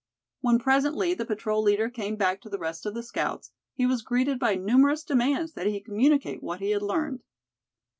When presently the patrol leader came back to the rest of the scouts, he was greeted by numerous demands that he communicate what he had learned.